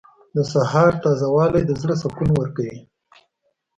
• د سهار تازه والی د زړه سکون ورکوي.